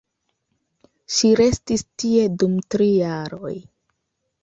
Ŝi restis tie dum tri jaroj.